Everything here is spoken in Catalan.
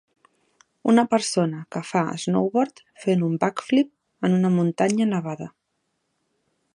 Una persona que fa snowboard fent un backflip en una muntanya nevada.